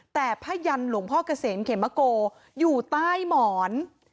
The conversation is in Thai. แต่ผ้ายันหลวงพ่อเกษมเขมโกอยู่ใต้หมอน